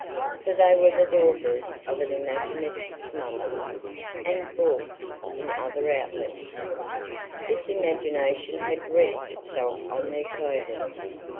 For they were the daughters of an imaginative mother, and, balked in other outlets, this imagination had wreaked itself on their clothing.